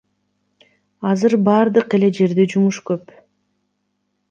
Азыр баардык эле жерде жумуш көп.